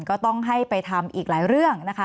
ก็ต้องให้ไปทำอีกหลายเรื่องนะคะ